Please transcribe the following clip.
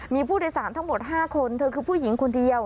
มีผู้โดยสารทั้งหมด๕คนเธอคือผู้หญิงคนเดียว